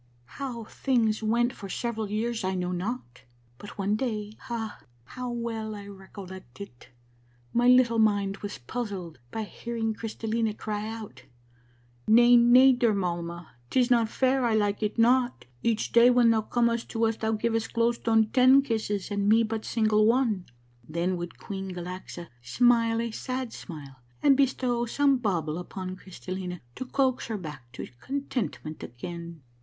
" How things went for several years I know not, but one day, ah, how well I recollect it ! my little mind was puzzled by hear ing Crystallina cry out: 'Nay, nay, dear mamma, 'tis not fair; I like it not. Each day when thou comest to us thou givest Glow Stone ten'kisses and me but a single one.' Then would Queen Galaxa smile a sad smile and bestow some bauble upon Crystallina to coax her back to contentment again.